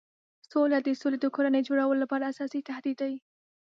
سوله د سولې د کورنۍ جوړولو لپاره اساسي تهدید دی.